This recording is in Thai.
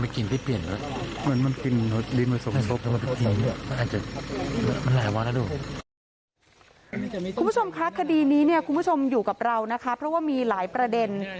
คุณผู้ชมคะคดีนี้เนี่ยคุณผู้ชมอยู่กับเรานะคะเพราะว่ามีหลายประเด็น